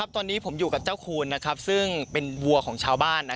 ตอนนี้ผมอยู่กับเจ้าคูณซึ่งเป็นวัวของชาวบ้าน